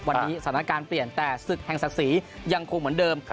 วันนี้สถานการณ์เปลี่ยนแต่ศึกแห่งศักดิ์ศรียังคงเหมือนเดิม